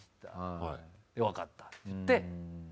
わかったって言って。